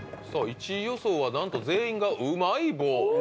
１位予想はなんと全員がうまい棒。